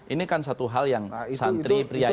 ini kan satu hal yang santri pria ini